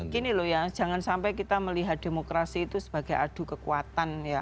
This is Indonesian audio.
gini loh ya jangan sampai kita melihat demokrasi itu sebagai adu kekuatan ya